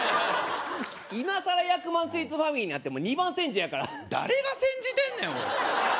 今さら役満スイーツファミリーになっても二番煎じやから誰が煎じてんねんおい